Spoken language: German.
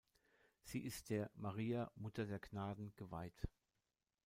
Sie ist der "Maria, Mutter der Gnaden" geweiht.